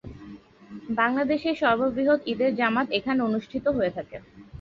বাংলাদেশের সর্ববৃহৎ ঈদের জামাত এখানে অনুষ্ঠিত হয়ে থাকে।